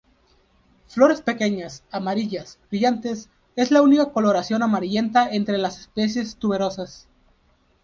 Flores pequeñas, amarillas, brillantes, es la única de coloración amarillenta entre las especies tuberosas.